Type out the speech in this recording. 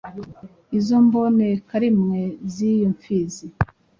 izo mbonekarimwe z’iyo mfizi